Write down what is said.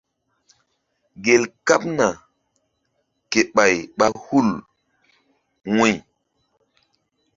Gel kaɓna ke ɓay ɓa hul wu̧y.